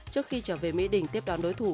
trước khi trở về mỹ đình tiếp đón đối thủ